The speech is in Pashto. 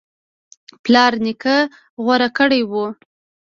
پلار نیکه غوره کړی و